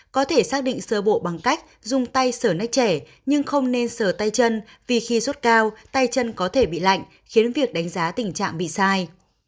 có thể xác định sơ bộ bằng cách dùng tay sờ nách trẻ nhưng không nên sửa tay chân vì khi suốt cao tay chân có thể bị lạnh khiến việc đánh giá tình trạng bị sai